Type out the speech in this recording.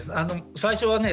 最初はね